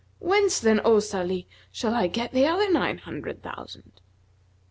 Whence then, O Salih, shall I get the other nine hundred thousand?"